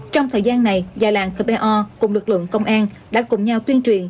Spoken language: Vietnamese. trong thời gian này già làng kpo cùng lực lượng công an đã cùng nhau tuyên truyền